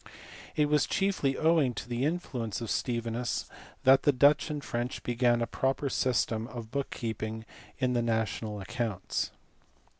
It was chiefly owing to the influence of Stevinus that the Dutch and French began a proper system of book keeping in the national accounts.